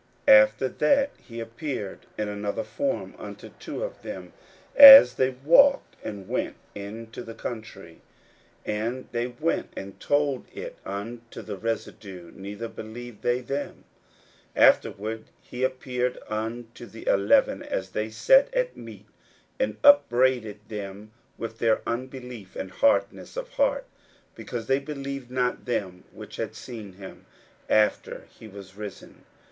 41:016:012 After that he appeared in another form unto two of them, as they walked, and went into the country. 41:016:013 And they went and told it unto the residue: neither believed they them. 41:016:014 Afterward he appeared unto the eleven as they sat at meat, and upbraided them with their unbelief and hardness of heart, because they believed not them which had seen him after he was risen.